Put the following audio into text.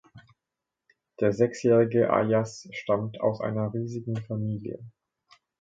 Der sechsjährige Ayas stammt aus einer riesigen Familie.